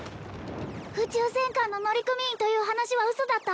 宇宙戦艦の乗組員という話は嘘だった？